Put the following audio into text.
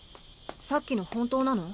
さっきの本当なの？